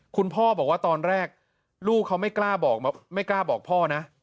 คุณพ่อบอกว่าตอนแรกลูกเขาไม่กล้าบอกพ่อนะ